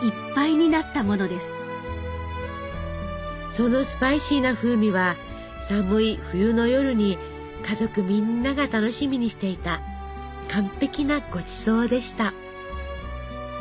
そのスパイシーな風味は寒い冬の夜に家族みんなが楽しみにしていた「完璧なごちそう」でした。